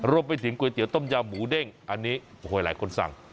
รวมไปถึงก๋วยเตี๋ยต้มยำหมูเด้งอันนี้โอ้โหหลายคนสั่ง